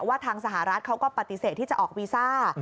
ทางสหรัฐเขาก็ปฏิเสธที่จะออกวีซ่า